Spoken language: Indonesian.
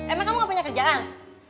emang kamu gak punya kerjaan